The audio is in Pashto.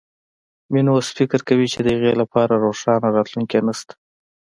مينه اوس فکر کوي چې د هغې لپاره روښانه راتلونکی نه شته